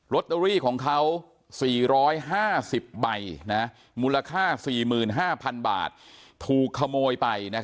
ตเตอรี่ของเขา๔๕๐ใบมูลค่า๔๕๐๐๐บาทถูกขโมยไป